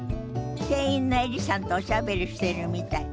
店員のエリさんとおしゃべりしてるみたい。